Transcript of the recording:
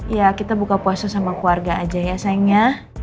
ya kita buka puasa sama keluarga aja ya sayangnya